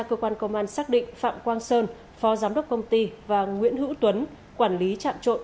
cơ quan công an xác định phạm quang sơn phó giám đốc công ty và nguyễn hữu tuấn quản lý chạm trộn